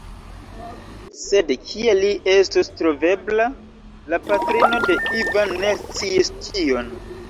Sed kie li estus trovebla? La patrino de Ivan ne sciis tion.